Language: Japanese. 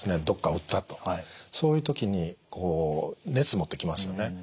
どっか打ったとそういう時にこう熱もってきますよね。